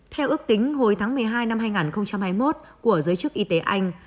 theo ước tính hồi tháng một mươi hai năm hai nghìn hai mươi một của giới chức y tế anh